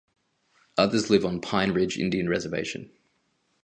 Others live on Pine Ridge Indian Reservation.